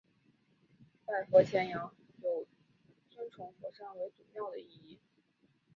拜佛钳羊有尊崇佛山为祖庙的意义。